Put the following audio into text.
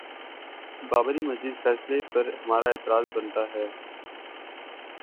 بابری مسجد فیصلے پر ہمارا اعتراض بنتا ہے؟